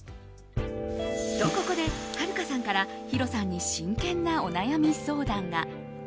と、ここではるかさんからヒロさんに真剣なお悩み相談が。